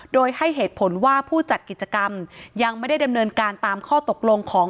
โดยให้เหตุผลว่าผู้จัดกิจกรรมยังไม่ได้ดำเนินการตามข้อตกลงของ